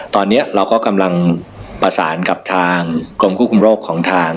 ตอนนี้เราก็กำลังประสานกับทางกรมควบคุมโรคของทาง